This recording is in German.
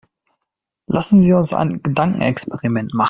Lassen Sie uns ein Gedankenexperiment machen.